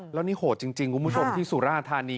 แล้วนี่โหดจริงคุณผู้ชมที่สุราธานี